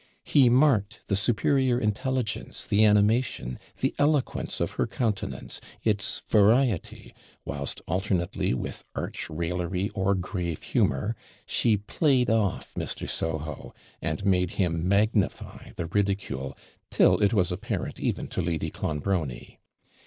He marked the superior intelligence, the animation, the eloquence of her countenance, its variety, whilst alternately, with arch raillery or grave humour, she played off Mr. Soho, and made him magnify the ridicule, till it was apparent even to Lady Clonbrony.